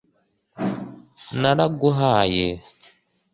naraguhaye